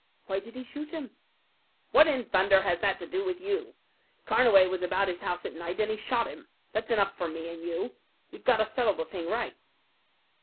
"Why did he shoot him?" "What in thunder has that to do with you? Carnaway was about his house at night, and he shot him. That's enough for me and you. You've got to settle the thing right."